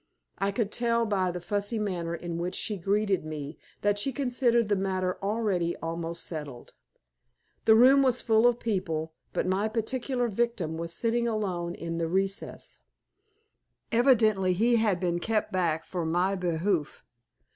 I could tell by the fussy manner in which she greeted me that she considered the matter already almost settled. The room was full of people, but my particular victim was sitting alone in a recess. Evidently he had been kept back for my behoof.